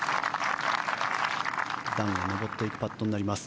段を上っていくパットになります。